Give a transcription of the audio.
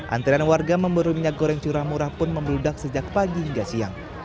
antrean warga memburu minyak goreng curah murah pun membeludak sejak pagi hingga siang